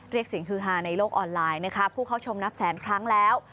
เรียกเสียงฮือฮาในโลกออนไลน์นะคะผู้เข้าชมนับแสนครั้งแล้ว